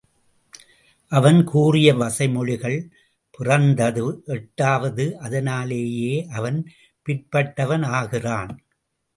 அவன் கூறிய வசை மொழிகள் பிறந்தது எட்டாவது அதனாலேயே அவன் பிற்பட்டவன் ஆகிறான்.